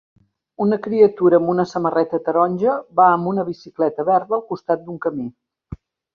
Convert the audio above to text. Una criatura amb una samarreta taronja va amb una bicicleta verda al costat d'un camí.